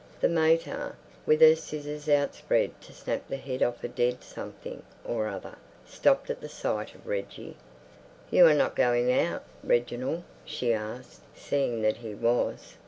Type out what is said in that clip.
The mater, with her scissors outspread to snap the head of a dead something or other, stopped at the sight of Reggie. "You are not going out, Reginald?" she asked, seeing that he was.